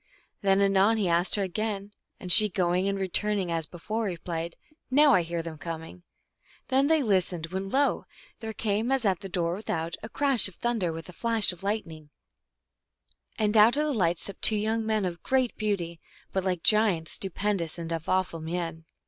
Then anon he asked her again, and she, going and returning as be fore, replied, " Now I hear them coming." Then they listened, when lo ! there came, as at the door without, a crash of thunder with a flash of lightning, and out THUNDER STORIES. 261 of the light stepped two young men of great beauty, but like giants, stupendous and of awful mien.